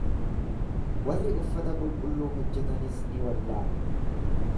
Warri uffata qulqulluu hojjetanis ni wallaalu.